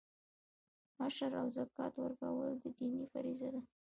عشر او زکات ورکول دیني فریضه ده.